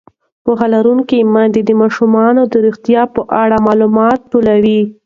پوهه لرونکې میندې د ماشومانو د روغتیا په اړه معلومات لټوي.